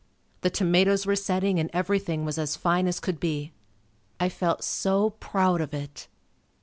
The tomatoes were setting and everything was as fine as could be. I felt so proud of it.